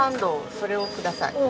それをください。